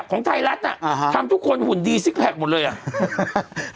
ของไทยรัฐอ่ะอ่าฮะทำทุกคนหุ่นดีซิกแพคหมดเลยอ่ะ